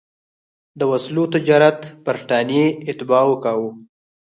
د وسلو تجارت برټانیې اتباعو کاوه.